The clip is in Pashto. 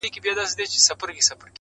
د ژوندون ساز كي ائينه جوړه كړي _